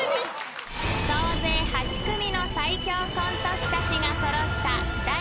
［総勢８組の最強コント師たちが揃った第２回大会］